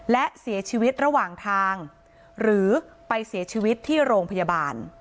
และเสียชีวิตระหว่างทางหรือไปเสียชีวิตที่โรงพยาบาล